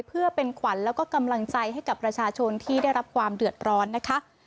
เพื่อเป็นขวัญแล้วก็กำลังใจให้กับประชาชนที่ได้รับความเดือดร้อนนะคะ